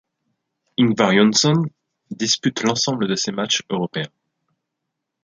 Ingvar Jónsson dispute l'ensemble de ces matchs européens.